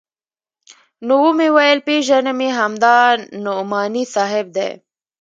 نو ومې ويل پېژنم يې همدا نعماني صاحب دى.